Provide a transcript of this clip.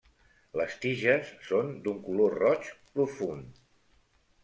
Les tiges són d'un color roig profund.